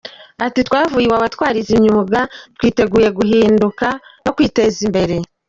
Ati “Twavuye Iwawa twarize imyuga twiteguye guhinduka no kwiteza imbere.